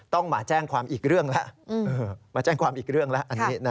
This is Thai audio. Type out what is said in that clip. ต้องมาแจ้งความอีกเรื่องแล้วมาแจ้งความอีกเรื่องแล้ว